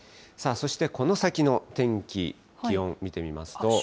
そしてこの先の天気、気温、見てみますと。